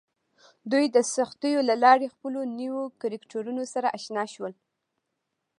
دوی د سختیو له لارې له خپلو نویو کرکټرونو سره اشنا شول